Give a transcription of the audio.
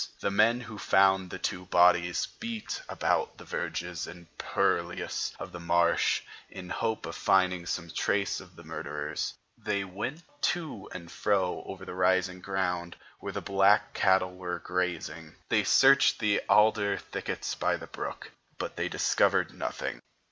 The men who found the two bodies beat about the verges and purlieus of the marsh in hope of finding some trace of the murderers; they went to and fro over the rising ground where the black cattle were grazing, they searched the alder thickets by the brook; but they discovered nothing.